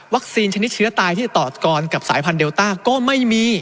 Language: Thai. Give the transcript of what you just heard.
วัคซีนชนิดเชื้อตายที่ตอดกรณ์กับสายพันธุ์เดลต้าก็ไม่มี